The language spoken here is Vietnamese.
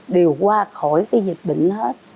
đều qua khỏi cái dịch bệnh hết